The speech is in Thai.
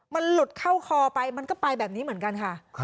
มันหลุดเข้าคอไปมันก็ไปแบบนี้เหมือนกันค่ะ